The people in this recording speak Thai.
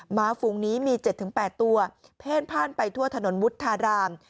หมาฝูงนี้มี๗๘ตัวเพ่นพ่านไปทั่วถนนวุฒาราม